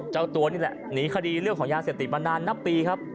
เจ้าตัวนี่แหละหนีคดีเรื่องของยาเสพติดมานานนับปีครับ